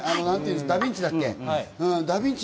ダヴィンチだっけ。